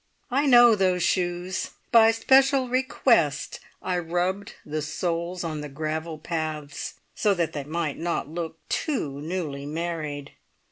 I know those shoes! By special request I rubbed the soles on the gravel paths, so that they might not look too newly married.